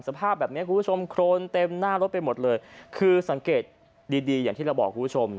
สภาพแบบนี้คุณผู้ชมโครนเต็มหน้ารถไปหมดเลยคือสังเกตดีดีอย่างที่เราบอกคุณผู้ชม